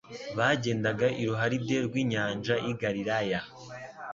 Bagendaga iruharide rw'inyanja y'i Galilaya